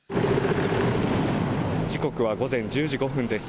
時刻は午前１０時５分です。